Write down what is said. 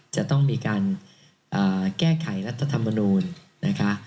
จะต้องมีการแก้ไขรัฐธรรมนูลนะคะ